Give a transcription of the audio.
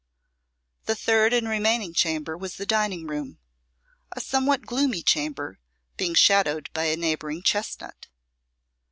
The third and remaining chamber was the dining room, a somewhat gloomy chamber, being shadowed by a neighbouring chestnut.